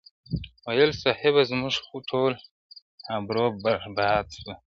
• ویل صاحبه زموږ خو ټول ابرو برباد سوه,